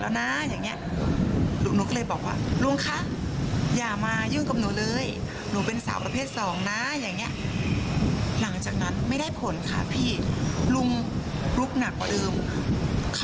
และที่ไปแจ้งความเอาไว้ก็เพราะไม่ต้องการให้ตันลุงคนนี้ไปทำแบบนี้กับผู้โดยสารคนอื่นอีก